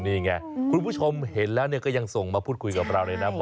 นี่ไงคุณผู้ชมเห็นแล้วก็ยังส่งมาพูดคุยกับเราเลยนะ